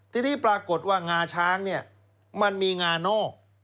ทีนี้ปรากฏว่างาช้างเนี่ยมันมีงานอก